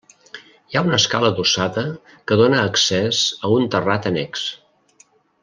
Hi ha una escala adossada que dóna accés a un terrat annex.